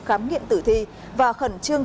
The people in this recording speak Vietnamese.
khám nghiệm tử thi và khẩn trương